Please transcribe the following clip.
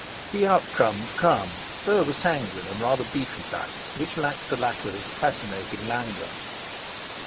He out crummed Crum, though of a sanguine and rather beefy type which lacked the latter's fascinating languor.